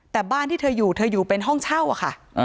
แต่บ้านที่เธออยู่เธออยู่เป็นห้องเช่าอะค่ะ